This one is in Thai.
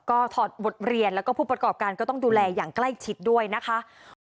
ก็ถอดบทเรียนแล้วก็ผู้ประกอบการก็ต้องดูแลอย่างใกล้ชิดด้วยนะคะ